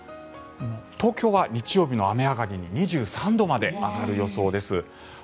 東京は日曜日の雨上がりに２３度まで上がる予想です。